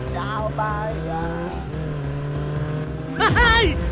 อย่าไป